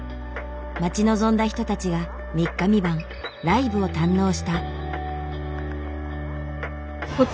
待ち望んだ人たちが三日三晩ライブを堪能した。